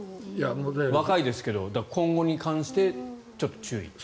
若いですけど今後に関してちょっと注意。